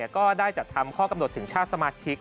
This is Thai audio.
ก็ได้จัดทำข้อกำหนดถึงชาติสมาชิก